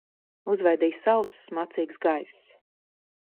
Uzvēdīja sauss, smacīgs gaiss.